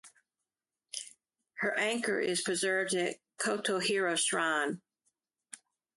Her anchor is preserved at Kotohira Shrine.